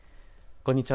こんにちは。